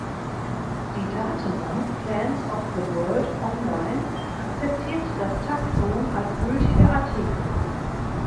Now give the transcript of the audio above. Die Datenbank "Plants of the World online" akzeptiert das Taxon als gültige Artikel